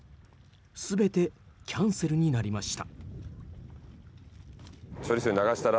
全てキャンセルになりました。